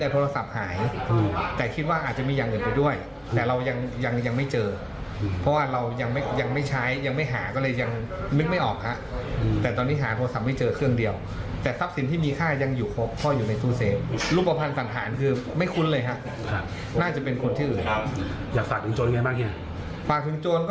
ฝากถึงจนก็ถ้าขาดเหลืออะไรให้มันคุยกับผมดีเลย